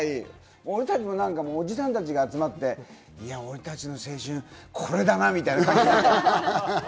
俺たちもおじさんたちが集まって俺たちの青春、これだなみたいな感じでね。